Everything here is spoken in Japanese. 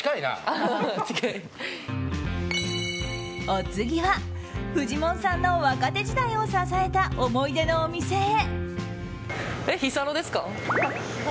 お次はフジモンさんの若手時代を支えた思い出のお店へ。